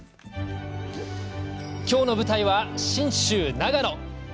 今日の舞台は信州長野。